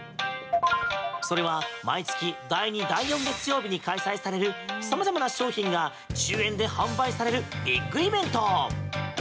それは、毎月第２、第４月曜日に開催される様々な商品が１０円で販売されるビッグイベント！